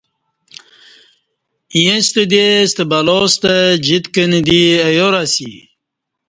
ییݩستہ دی ستہ بلا ستہ جِیت کنہ دی ایار اسی